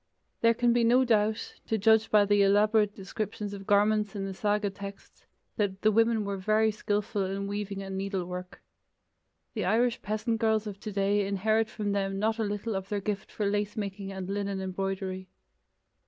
There can be no doubt, to judge by the elaborate descriptions of garments in the saga texts, that the women were very skilful in weaving and needlework. The Irish peasant girls of today inherit from them not a little of their gift for lace making and linen embroidery.